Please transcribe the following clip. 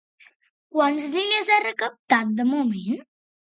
Quants diners ha recaptat de moment?